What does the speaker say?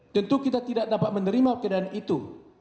tentu kita tidak dapat menerima keadaan itu